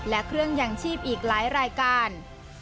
และเครื่องยังชีพอีกหลายรายการ